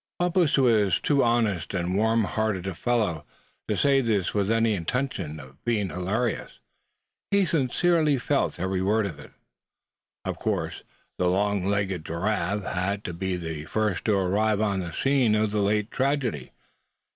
'" Bumpus was too honest and warm hearted a fellow to say this with any intention of being hilarious. He sincerely felt every word of it. Of course the long legged Giraffe had to be the first to arrive on the scene of the late tragedy.